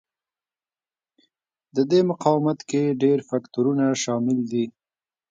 د دې مقاومت کې ډېر فکټورونه شامل دي.